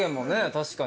確かに。